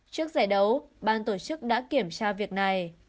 trước giải đấu ban tổ chức đã kiểm tra việc này